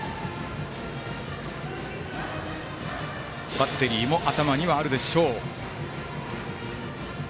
バッテリーも頭にはあるでしょう。